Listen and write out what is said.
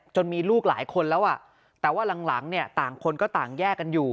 มีลูกหลายคนแล้วอ่ะแต่ว่าหลังเนี่ยต่างคนก็ต่างแยกกันอยู่